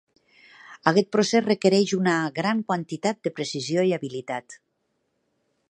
Aquest procés requereix una gran quantitat de precisió i habilitat.